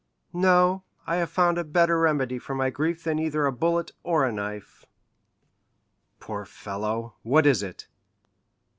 "No; I have found a better remedy for my grief than either a bullet or a knife." "Poor fellow, what is it?"